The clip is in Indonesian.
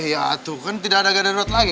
eh ya tuh kan tidak ada darurat lagi